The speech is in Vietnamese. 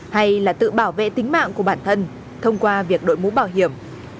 hay là tự bảo vệ tính mạng của bản thân thông qua việc đội mũ bảo hiểm